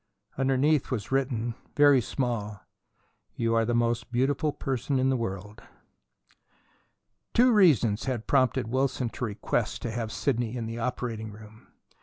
Underneath was written, very small: "You are the most beautiful person in the world." Two reasons had prompted Wilson to request to have Sidney in the operating room.